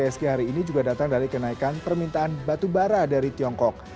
isg hari ini juga datang dari kenaikan permintaan batubara dari tiongkok